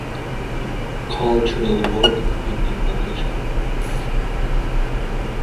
He has also done biocultural work in Indonesia.